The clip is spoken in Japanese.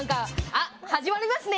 「あぁ！始まりますね！」